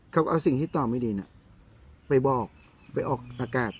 เขาเอาสิ่งที่ตอบไม่ดีไปบอกไปออกอากาศ